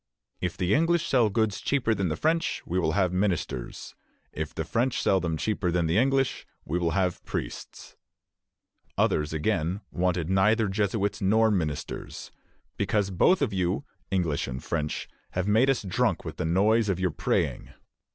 "If the English sell goods cheaper than the French, we will have ministers; if the French sell them cheaper than the English, we will have priests." Others, again, wanted neither Jesuits nor ministers, "because both of you [English and French] have made us drunk with the noise of your praying."